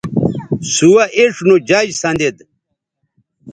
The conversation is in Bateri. سوہ اِڇھ نو جج سندید